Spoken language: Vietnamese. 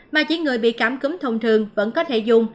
mà chỉ người bị cảm cúm thông thường vẫn có thể dùng